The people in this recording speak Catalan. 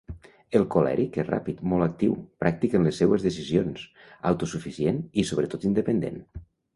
El colèric és ràpid, molt actiu, pràctic en les seues decisions, autosuficient i sobretot independent.